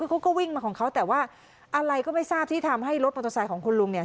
เขาก็วิ่งมาของเขาแต่ว่าอะไรก็ไม่ทราบที่ทำให้รถมอเตอร์ไซค์ของคุณลุงเนี่ย